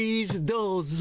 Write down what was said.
どうぞ。